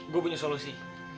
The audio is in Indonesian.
gua punya solusi